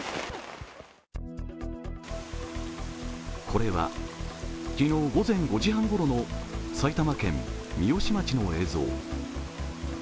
これは昨日午前５時半ごろの埼玉県三芳町の映像。